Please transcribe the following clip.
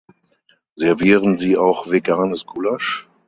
Servieren Sie auch veganes Gulasch?